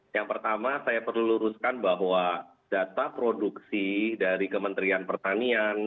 yang pertama saya perlu luruskan bahwa data produksi dari kementerian pertanian